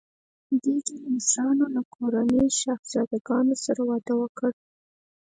د دې ډلې مشرانو له ګوراني شهزادګانو سره واده وکړ.